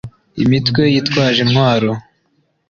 imitwe yitwaje intwaro